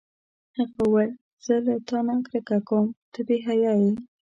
هغه وویل: زه له تا نه کرکه کوم، ته بې حیا یې.